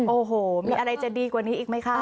โอ้โหมีอะไรจะดีกว่านี้อีกไหมคะ